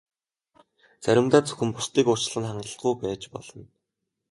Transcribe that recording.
Заримдаа зөвхөн бусдыг уучлах нь хангалтгүй байж болно.